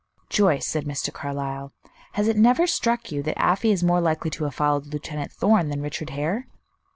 "Joyce," said Mr. Carlyle, "has it never struck you that Afy is more likely to have followed Lieutenant Thorn than Richard Hare?"